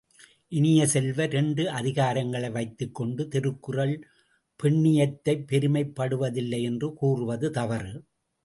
இனிய செல்வ, இரண்டு அதிகாரங்களை வைத்துக் கொண்டு திருக்குறள் பெண்ணியத்தைப் பெருமைப் படுத்துவதில்லை என்று கூறுவது தவறு.